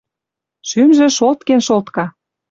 Шӱмжӹ шолткен-шолтка.